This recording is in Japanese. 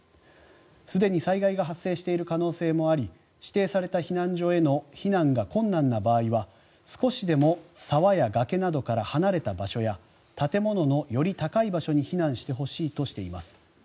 すでに災害が発生している可能性もあり指定された避難所への避難が困難な場合は少しでも沢や崖などから離れた場所や建物のより高い場所に避難してほしいとしています。